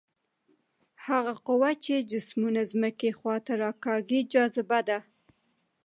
هغه قوه چې جسمونه ځمکې خواته راکاږي جاذبه ده.